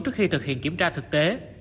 trước khi thực hiện kiểm tra thực tế